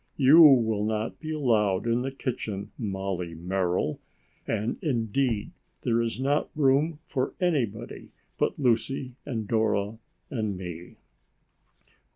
You will not be allowed in the kitchen, Molly Merrill, and indeed, there is not room for anybody but Lucy and Dora and me."